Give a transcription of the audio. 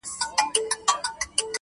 حدِاقل چي ته مي باید پُخلا کړې وای.